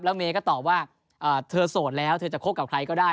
เมย์ก็ตอบว่าเธอโสดแล้วเธอจะคบกับใครก็ได้